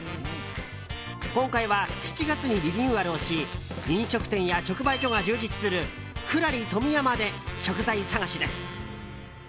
今回は７月にリニューアルをし飲食店や直売所が充実する富楽里とみやまで食材探しです。